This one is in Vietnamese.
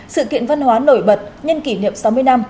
sự kiện văn hóa nổi bật nhân kỷ niệm sáu mươi năm